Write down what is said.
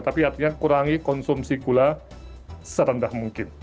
tapi artinya kurangi konsumsi gula serendah mungkin